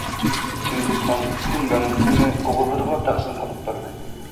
چىڭگىزخان پۈتۈن مەملىكىتىنى ئوغۇللىرىغا تەقسىم قىلىپ بەردى.